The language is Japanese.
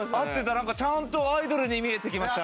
なんかちゃんとアイドルに見えてきました。